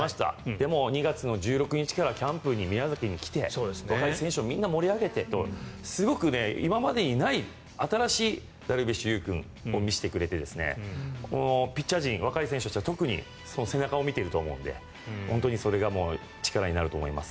でも、２月１６日からキャンプ、宮崎に来て若い選手をみんな盛り上げてすごく、今までにない新しいダルビッシュ有君を見せてくれてピッチャー陣、若い選手たちは特にその背中を見ていると思うので本当にそれが力になると思います。